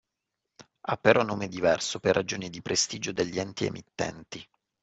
Ha però nome diverso per ragioni di prestigio degli enti emittenti.